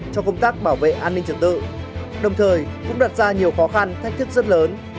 cho công tác bảo vệ an ninh trật tự đồng thời cũng đặt ra nhiều khó khăn thách thức rất lớn